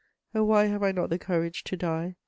] "Oh, why have I not the courage to die?